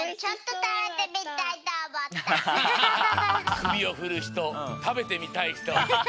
くびをふるひとたべてみたいひと。